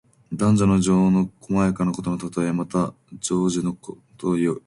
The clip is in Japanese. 男女の情の細やかなことのたとえ。また、情事をいう。